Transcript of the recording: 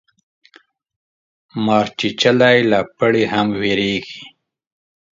مار چیچلی له پړي هم ویریږي